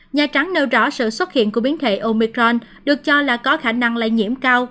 nhà trắng nêu rõ sự xuất hiện của biến thể omicron được cho là có khả năng lây nhiễm cao